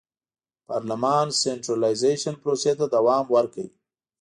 پارلمان سنټرالیزېشن پروسې ته دوام ورکړ.